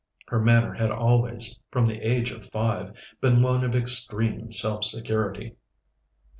Her manner had always, from the age of five, been one of extreme self security.